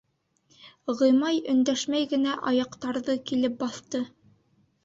Ғимай өндәшмәй генә аяҡтарҙы килеп баҫты.